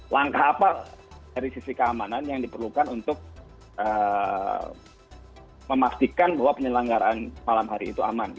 langkah apa dari sisi keamanan yang diperlukan untuk memastikan bahwa penyelenggaraan malam hari itu aman